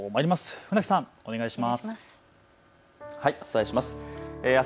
船木さん、お願いします。